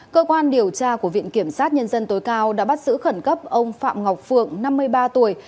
cơ quan điều tra của viện kiểm sát nhân dân tối cao đã bắt giữ khẩn cấp ông phạm ngọc phượng năm mươi ba tuổi